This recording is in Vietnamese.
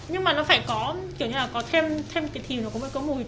nhưng mà nó phải có kiểu như là có thêm cái thìm